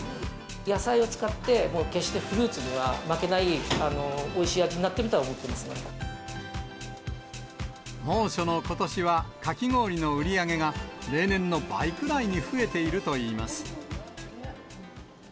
野菜を使って、もう決してフルーツには負けないおいしい味になってるとは思って猛暑のことしは、かき氷の売り上げが、例年の倍くらいに増えているといいます。